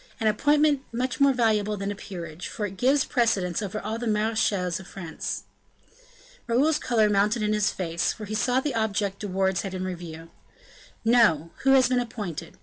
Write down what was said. an appointment more valuable than a peerage; for it gives precedence over all the marechals of France." Raoul's color mounted in his face; for he saw the object De Wardes had in view. "No; who has been appointed?